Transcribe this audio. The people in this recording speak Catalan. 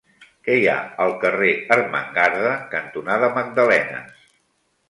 Què hi ha al carrer Ermengarda cantonada Magdalenes?